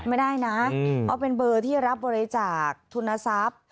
ไม่ได้นะเพราะเป็นเบอร์ที่รับบริจาคทุนทรัพย์